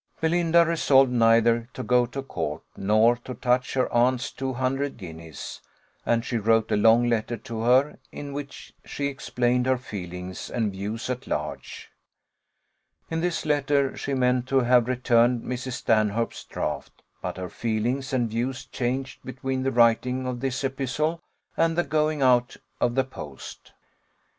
Belinda resolved neither to go to court, nor to touch her aunt's two hundred guineas; and she wrote a long letter to her, in which she explained her feelings and views at large. In this letter she meant to have returned Mrs. Stanhope's draught, but her feelings and views changed between the writing of this epistle and the going out of the post. Mrs.